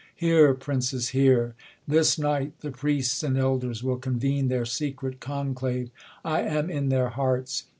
Hear, princes, hear 1 This night the priests and elders will convene Their secret conclave : I am in their hearts.